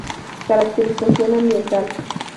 Caracterización Ambiental.